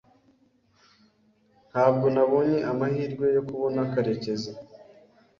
Ntabwo nabonye amahirwe yo kubona Karekezi.